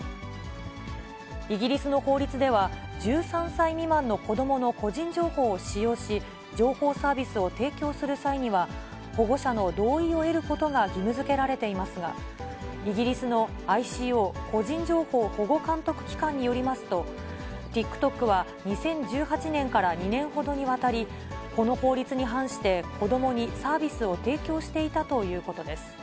イギリスの法律では、１３歳未満の子どもの個人情報を使用し、情報サービスを提供する際には、保護者の同意を得ることが義務づけられていますが、イギリスのＩＣＯ・個人情報保護監督機関によりますと、ＴｉｋＴｏｋは２０１８年から２年ほどにわたり、この法律に反して子どもにサービスを提供していたということです。